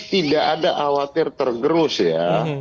tidak ada khawatir tergerus ya